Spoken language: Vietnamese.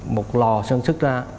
một lò sân sức ra